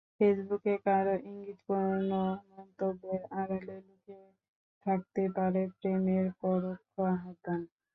ফেসবুকে কারও ইঙ্গিতপূর্ণ মন্তব্যের আড়ালে লুকিয়ে থাকতে পারে প্রেমের পরোক্ষ আহ্বান।